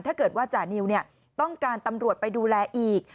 ถ้าเกิดว่าจานิวต้องการตำรวจไปดูแลอีก